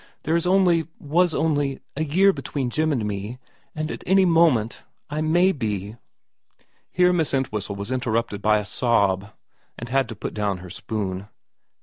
There is only was only a year between Jim and me, and at any moment I may be ' Here Miss Entwhistle was interrupted by a sob, and had to put down her spoon.